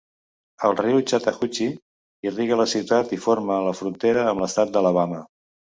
El riu Chattahoochee irriga la ciutat i forma la frontera amb l'estat d'Alabama.